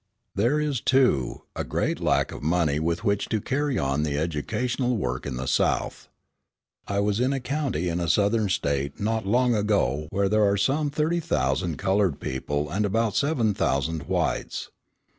There is, too, a great lack of money with which to carry on the educational work in the South. I was in a county in a Southern State not long ago where there are some thirty thousand coloured people and about seven thousand whites.